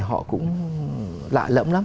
họ cũng lạ lẫm lắm